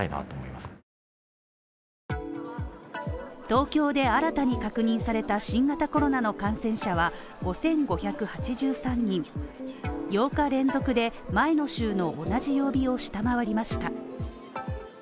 東京で新たに確認された新型コロナの感染者は５５８３人８日連続で前の週の同じ曜日を下回りました。